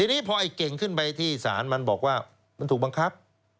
ทีนี้พอไอ้เก่งขึ้นไปที่ศาลมันบอกว่ามันถูกบังคับ